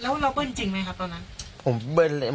แล้วเราเบิ้ลจริงไหมครับตอนนั้น